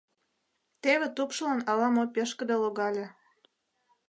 Теве тупшылан ала-мо пешкыде логале.